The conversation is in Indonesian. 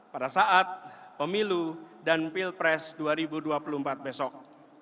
pada saat pemilu dan pilpres dua ribu dua puluh empat besok